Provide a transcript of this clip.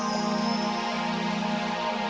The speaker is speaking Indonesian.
lu mau ngapasih lu